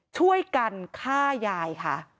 ช่วยกันฆ่ายายค่ะ